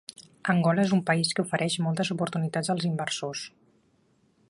Angola és un país que ofereix moltes oportunitats als inversors.